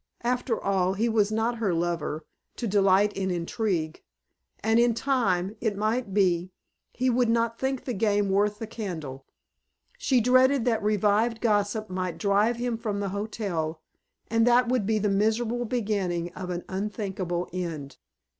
After all, he was not her lover, to delight in intrigue; and in time, it might be, he would not think the game worth the candle. She dreaded that revived gossip might drive him from the hotel, and that would be the miserable beginning of an unthinkable end.